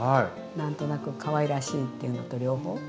何となくかわいらしいっていうのと両方。